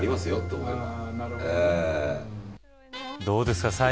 どうですか。